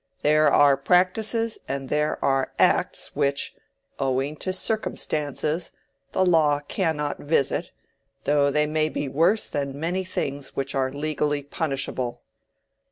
There are practices and there are acts which, owing to circumstances, the law cannot visit, though they may be worse than many things which are legally punishable.